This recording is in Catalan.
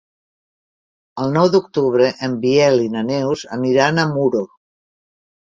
El nou d'octubre en Biel i na Neus aniran a Muro.